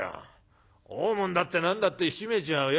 大門だって何だって閉めちゃうよ。